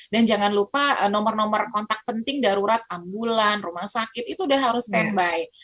dan jangan lupa nomor nomor kontak penting darurat ambulan rumah sakit itu sudah harus standby